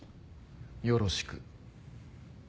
よろしく。